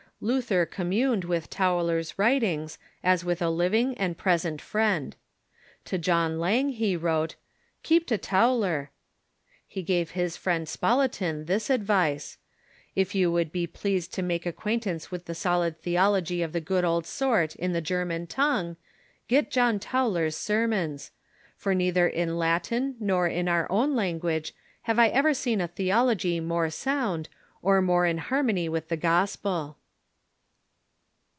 Luther communed with Tauler's writings as with a living and present friend. To John Lange he wrote :" Keep to Tauler." lie gave to his friend Spalatin the advice :" If 3^ou Avould be pleased to make acquaintance with a solid theology of the good old sort in the German tongue, get John Tauler's ser mons ; for neither in Latin nor in our own language have I ever seen a theology more sound, or more in harmony with the Gospel."